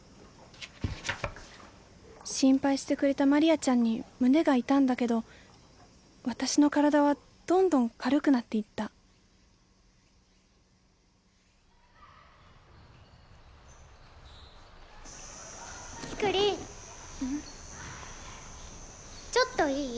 心配してくれたマリアちゃんに胸が痛んだけど私の体はどんどん軽くなっていったキクリンちょっといい？